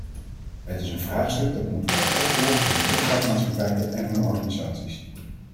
Het is een vraagstuk dat moet worden opgelost door de luchtvaartmaatschappijen en hun organisaties.